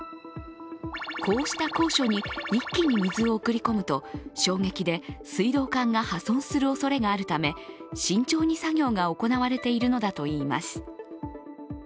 こうした高所に一気に水を送り込むと衝撃で水道管が破損するおそれがあるため慎重に作業が行われているのだといいます。